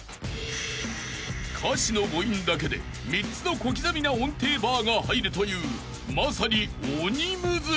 ［歌詞の母音だけで３つの小刻みな音程バーが入るというまさに鬼ムズ